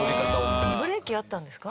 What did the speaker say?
ブレーキあったんですか？